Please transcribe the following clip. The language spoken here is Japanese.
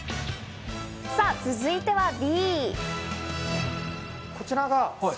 さぁ、続いてはＢ。